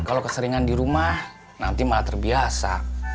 kalau keseringan dirumah nanti malah terbiasa